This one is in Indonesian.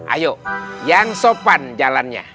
ayo yang sopan jalannya